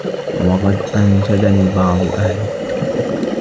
وَقَدْ أَنْشَدَنِي بَعْضُ أَهْلِ